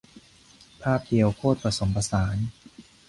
ภาพเดียวโคตรผสมผสาน